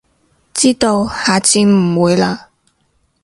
知道，下次唔會喇